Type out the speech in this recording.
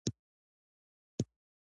د پکتیکا په ګومل کې د کرومایټ نښې شته.